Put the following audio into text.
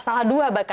salah dua bahkan